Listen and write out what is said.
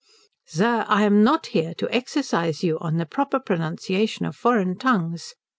"Sir, I am not here to exercise you in the proper pronunciation of foreign tongues.